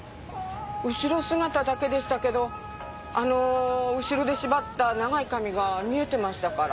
後ろ姿だけでしたけどあの後ろで縛った長い髪が見えてましたから。